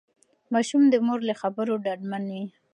ماشوم د مور له خبرو ډاډمن وي.